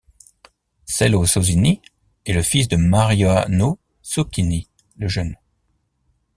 Celso Sozzini est le fils de Mariano Socini le Jeune.